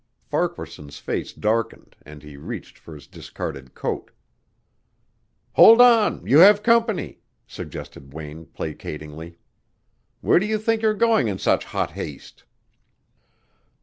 Farquaharson's face darkened and he reached for his discarded coat. "Hold on; you have company," suggested Wayne placatingly. "Where do you think you're going in such hot haste?"